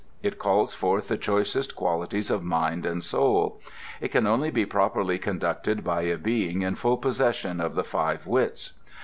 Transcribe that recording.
It calls forth the choicest qualities of mind and soul. It can only be properly conducted by a being in full possession of the five wits.